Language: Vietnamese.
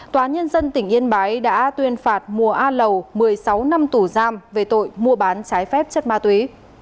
tòa nhân dân tỉnh yên bái đã tuyên phạt mùa a lầu một mươi sáu năm tù giam về tội mua bán trái phép chất ma túy